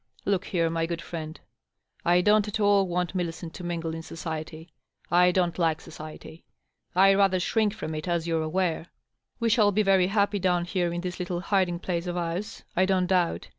.. Look here, my good friend, I don^t at all want Millicent to mingle in society. I don't like society. I rather shrink firom it, as you're aware. We shall be very happy down here in this little hiding place of ours, I don't doubt.